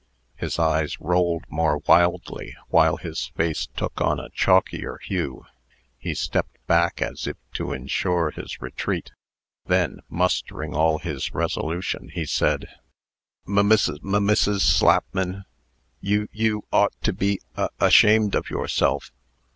His eyes rolled more wildly, while his face took on a chalkier hue. He stepped back, as if to insure his retreat. Then, mustering all his resolution, he said: "M Mrs. M Mrs. Slapman, you you ought to be a ashamed of yourself!"